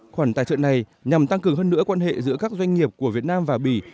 khoản tài trợ này nhằm tăng cường hơn nữa quan hệ giữa các doanh nghiệp của việt nam và bỉ